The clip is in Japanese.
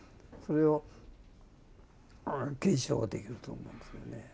それを継承できると思うんですけどね。